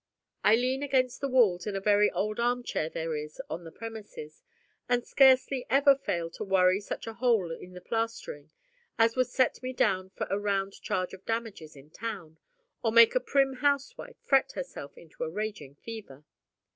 I lean against the walls in a very old armchair there is on the premises, and scarce ever fail to worry such a hole in the plastering as would set me down for a round charge for damages in town, or make a prim housewife fret herself into a raging fever.